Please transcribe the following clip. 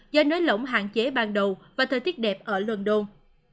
do nới lỏng hạn chế ban đầu và thời tiết đẹp ở london